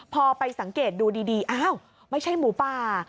พอไปสังเกตดูดีอ้าวไม่ใช่หมูป่า